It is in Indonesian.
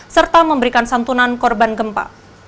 serta memberikan santunan korban gempa